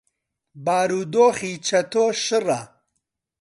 بارودۆخی چەتۆ شڕە.